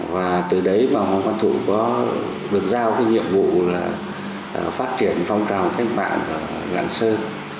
và từ đấy mà hoàng văn thụ có được giao cái nhiệm vụ là phát triển phong trào cách mạng ở lạng sơn